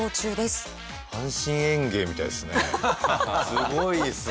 すごいですね。